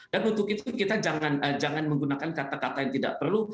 dan untuk itu kita jangan menggunakan kata kata yang tidak perlu